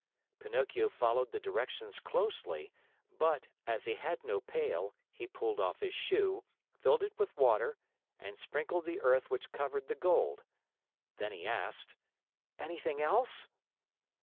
Pinocchio followed the directions closely, but, as he had no pail, he pulled off his shoe, filled it with water, and sprinkled the earth which covered the gold. Then he asked: "Anything else?"